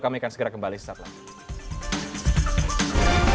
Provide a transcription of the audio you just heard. kami akan segera kembali setelah ini